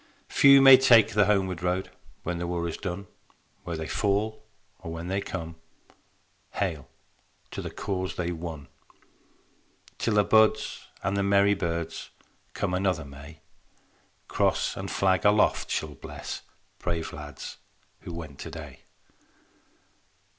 Few may take the homeward road When the war is done: Where they fall or when they come, Hail, to the cause they won. Till the buds and the merry birds Come another May, Cross and Flag aloft shall bless Brave lads who went today.